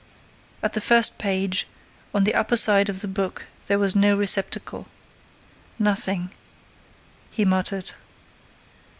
At the first page, on the upper side of the book, there was no receptacle. "Nothing," he muttered.